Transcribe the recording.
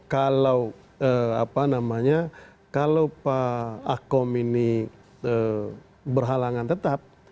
kalau pak akom ini berhalangan tetap